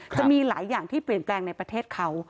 จะมีหลายอย่างที่เปลี่ยนแปลงในประเทศเขา